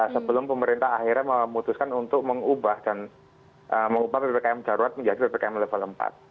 sebelum pemerintah akhirnya memutuskan untuk mengubah dan mengubah ppkm darurat menjadi ppkm level empat